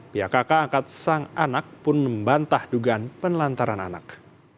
pihak kakak angkat sang anak pun membantah dugaan penelantaran anak